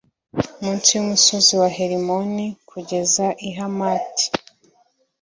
mu nsi y'umusozi wa herimoni kugera i hamati